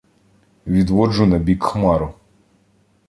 Відводжу набік Хмару.